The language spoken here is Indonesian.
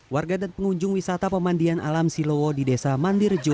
warga dan pengunjung wisata pemandian alam silowo di desa mandirjo